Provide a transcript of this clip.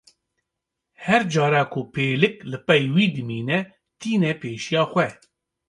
Her cara ku pêlik li pey wî dimîne, tîne pêşiya xwe.